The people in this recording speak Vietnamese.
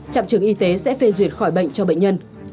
trạm trường y tế sẽ phê duyệt khỏi bệnh cho bệnh nhân